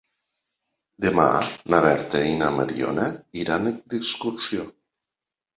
Demà na Berta i na Mariona iran d'excursió.